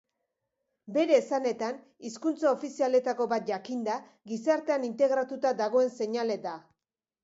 Bere esanetan, hizkuntza ofizialetako bat jakinda, gizartean integratuta dagoen seinale da.